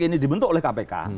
ini dibentuk oleh kpk